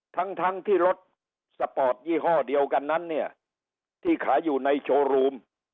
ทั้งทั้งที่รถสปอร์ตยี่ห้อเดียวกันนั้นเนี่ยที่ขายอยู่ในโชว์รูม